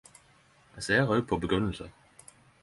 Eg ser også på begrunnelsar.